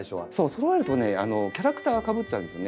そろえるとねキャラクターがかぶっちゃうんですよね。